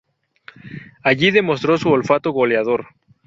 Allí demostró su olfato goleador.